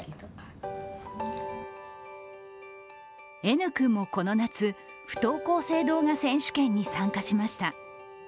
Ｎ君もこの夏、不登校生動画選手権に参加しました。